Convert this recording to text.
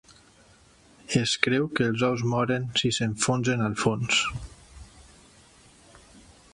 Es creu que els ous moren si s'enfonsen al fons.